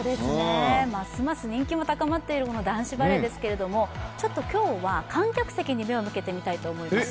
ますます人気も高まっている男子バレーですけれども今日は観客席に目を向けてみたいと思います。